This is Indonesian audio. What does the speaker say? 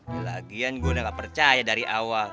ya lagian gua udah gak percaya dari awal